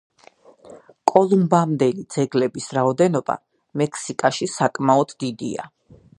კოლუმბამდელი ძეგლების რაოდენობა მექსიკაში საკმაოდ დიდია.